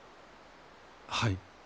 はい。